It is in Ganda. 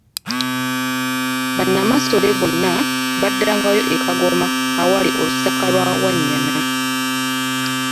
Bannamasole bonna baddangayo e Kagoma awali Olusaka lwa Wannyana.